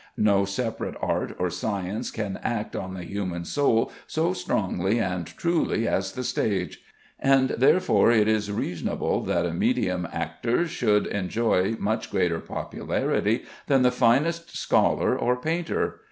No separate art or science can act on the human soul so strongly and truly as the stage; and therefore it is reasonable that a medium actor should enjoy much greater popularity than the finest scholar or painter.